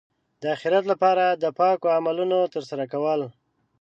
د اخرت لپاره د پاکو عملونو ترسره کول.